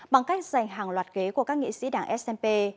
bằng cách giành hàng loạt ghế của các nghị sĩ đảng snp